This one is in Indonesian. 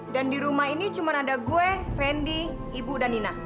dan di rumah ini cuma ada gue randy ibu dan nina